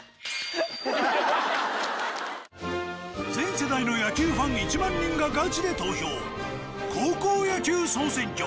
全世代の野球ファン１万人がガチで投票高校野球総選挙。